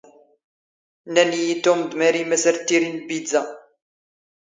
ⵏⵏⴰⵏ ⵉⵢⵉ ⵜⵓⵎ ⴷ ⵎⴰⵔⵉ ⵎⴰⵙ ⴰⵔ ⵜⵜⵉⵔⵉⵏ ⵍⴱⵉⴷⵣⴰ.